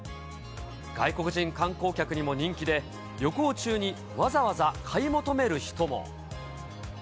外国人観光客にも人気で、旅行中にわざわざ買い求める人も。